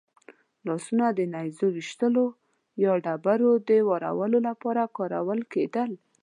لاسونه د نېزو ویشتلو یا ډبرو د وارولو لپاره کارول کېدل.